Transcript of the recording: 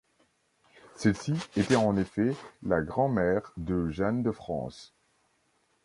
Celle-ci était en effet la grand-mère de Jeanne de France.